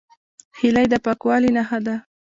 هیلۍ د پاکوالي نښه ده